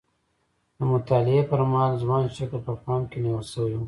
د مطالعې پر مهال ځوان شکل په پام کې نیول شوی.